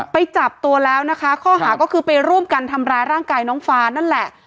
ไปจับตัวแล้วนะคะข้อหาก็คือไปร่วมกันทำร้ายร่างกายน้องฟ้านั่นแหละ